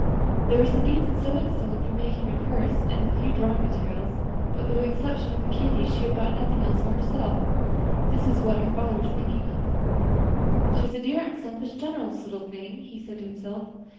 There were some beads and sewing silk for making a purse, and a few drawing materials; but with the exception of the candy, she had bought nothing else for herself. This was what her father was thinking of. "She is a dear, unselfish, generous little thing," he said to himself.